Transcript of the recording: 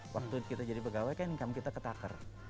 waktu kita jadi pegawai kan income kita ketakar